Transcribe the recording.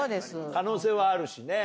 可能性はあるしね。